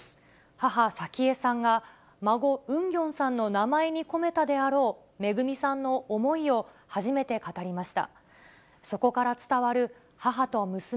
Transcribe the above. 母、早紀江さんが孫、ウンギョンさんの名前に込めたであろう、めぐみさんの思いを初めて語りました。